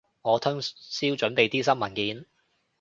我通宵準備啲新文件